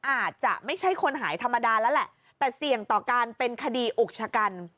อาจจะไม่ใช่คนหายธรรมดาแล้วแหละแต่เสี่ยงต่อการเป็นคดีอุกชะกัน